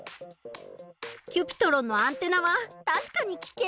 Ｃｕｐｉｔｒｏｎのアンテナは確かに危険かも。